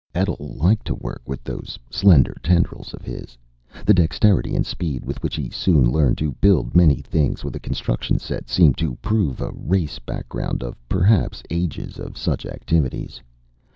Etl liked to work with those slender tendrils of his. The dexterity and speed with which he soon learned to build many things with a construction set seemed to prove a race background of perhaps ages of such activities.